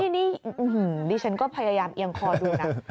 นี่ดิฉันก็พยายามเอียงคอดูนะ